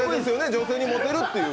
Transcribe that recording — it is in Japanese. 女性にモテるっていう。